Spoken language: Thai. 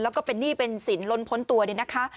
แล้วก็เป็นหนี้เป็นสินล้นพ้นตัวเนี่ยนะคะ